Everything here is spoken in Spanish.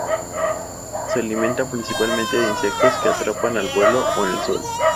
Se alimentan principalmente de insectos que atrapan al vuelo o en el suelo.